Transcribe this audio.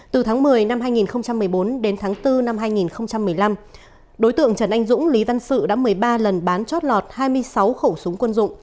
từ tháng một mươi năm hai nghìn một mươi bốn đến tháng bốn năm hai nghìn một mươi năm đối tượng trần anh dũng lý văn sự đã một mươi ba lần bán chót lọt hai mươi sáu khẩu súng quân dụng